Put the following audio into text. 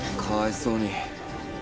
かわいそうに。